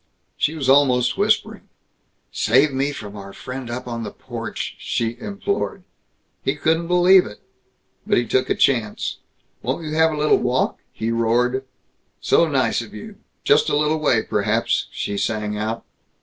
She was almost whispering. "Save me from our friend up on the porch," she implored. He couldn't believe it. But he took a chance. "Won't you have a little walk?" he roared. "So nice of you just a little way, perhaps?" she sang out.